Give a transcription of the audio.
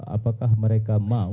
apakah mereka mahu